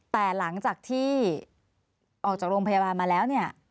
แต่หลังจากที่ออกจากโรงพยาบาลมาแล้วเนี่ย